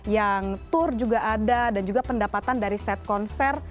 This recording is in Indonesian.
yang tour juga ada dan juga pendapatan dari set konser